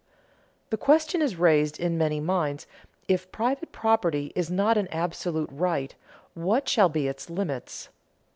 The question is raised in many minds, If private property is not an absolute right, what shall be its limits?